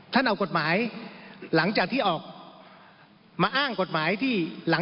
ท่านเอากฎหมายที่ออกมาอ้างกฎหมายที่